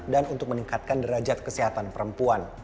dan untuk meningkatkan derajat kesehatan perempuan